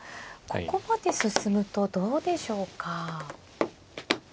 ここまで進むとどうでしょうか。